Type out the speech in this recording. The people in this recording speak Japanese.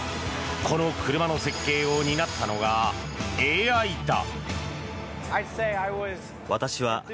この車の設計を担ったのがＡＩだ。